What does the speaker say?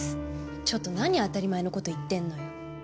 ちょっと何当たり前のこと言ってんのよ。